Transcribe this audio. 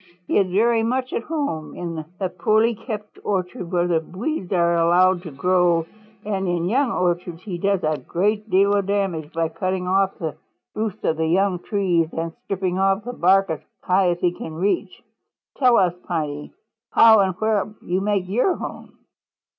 He is very much at home in a poorly kept orchard where the weeds are allowed to grow and in young orchards he does a great deal of damage by cutting off the roots of young trees and stripping off the bark as high up as he can reach. Tell us, Piney, how and where you make your home."